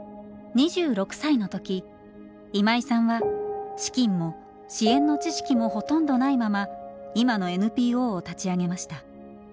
２６歳の時今井さんは資金も支援の知識もほとんどないまま今のＮＰＯを立ち上げました。